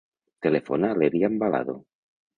Telefona a l'Elian Balado.